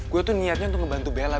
gue tuh niatnya untuk membantu bella